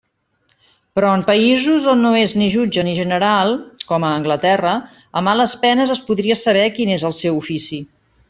Però en països on no és ni jutge ni general, com a Anglaterra, a males penes es podria saber quin és el seu ofici.